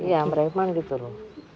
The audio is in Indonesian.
iya mereman gitu lu